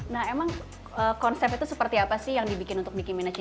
nah emang konsep itu seperti apa sih yang dibikin untuk nicki minaj ini